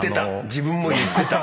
自分も言ってた。